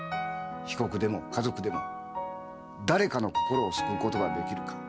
被告でも家族でも誰かの心を救うことができるか。